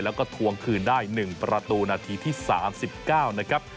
แล้วก็ทวงคืนได้๑ประตูนาทีที่๓๙นะครับ